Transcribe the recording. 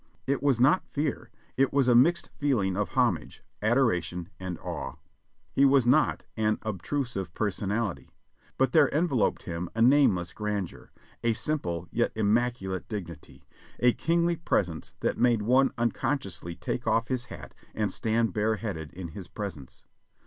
It was not fear, it was a mixed feeling of homage, adoration and awe. His was not an obtrusive personality, but there enveloped him a nameless grandeur, a simple yet immaculate dignity, a kingly presence that made one uncon sciously take of? his hat and stand bareheaded in his presence.